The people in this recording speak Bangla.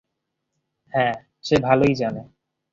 হ্যাঁ, সে ভালোই জানে।